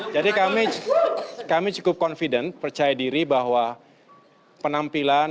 jadi kami cukup confident percaya diri bahwa penampilan